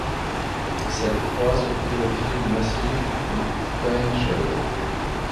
Cette croix se trouve au pied du massif du Taennchel.